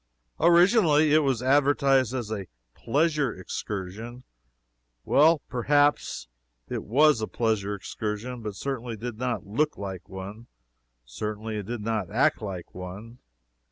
Originally it was advertised as a "pleasure excursion." Well, perhaps, it was a pleasure excursion, but certainly it did not look like one; certainly it did not act like one.